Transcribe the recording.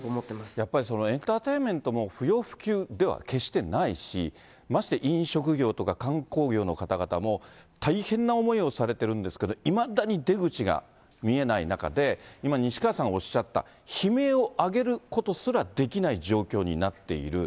やっぱり、エンターテインメントも不要不急では決してないし、まして飲食業とか観光業の方々も、大変な思いをされてるんですけど、いまだに出口が見えない中で、今、西川さんがおっしゃった、悲鳴を上げることすらできない状況になっている。